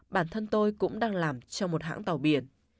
bản thân tôi cũng đang làm trong một hãng tàu biển